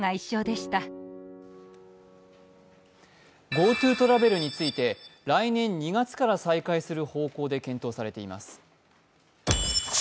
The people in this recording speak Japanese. ＧｏＴｏトラベルについて来年２月から再開する方向で検討されています。